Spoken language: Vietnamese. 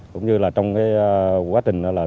cũng như trong quá trình